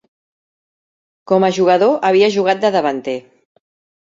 Com a jugador havia jugat de davanter.